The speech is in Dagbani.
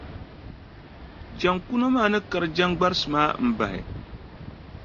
Jaŋkuno maa ni kari jaŋgbarisi maa m-bahi.